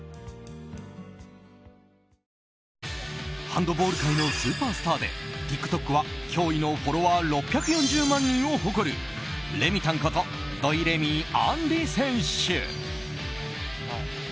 ハンドボール界のスーパースターでＴｉｋＴｏｋは驚異のフォロワー６４０万人を誇るレミたんこと土井レミイ杏利選手。